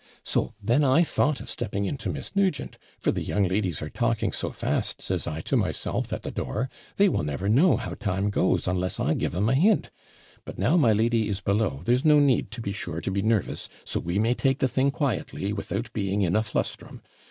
So then I thought of stepping in to Miss Nugent; for the young ladies are talking so fast, says I to myself, at the door, they will never know how time goes, unless I give 'em a hint. But now my lady is below, there's no need, to be sure, to be nervous, so we may take the thing quietly, without being in a flustrum.